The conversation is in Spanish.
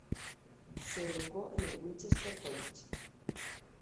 Se educó en el Winchester College.